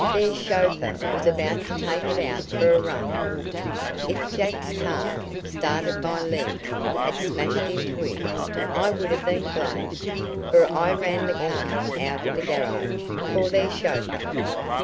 Their chauffeur was about to take it out for a run. If Jack's car, started by Lem, had smashed into it I would have been blamed, for I ran the car out of the garage, for their chauffeur.